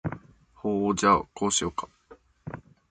ほーじゃ、こうしようか？